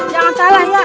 jangan salah iya